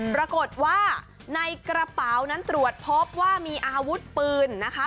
ปรากฏว่าในกระเป๋านั้นตรวจพบว่ามีอาวุธปืนนะคะ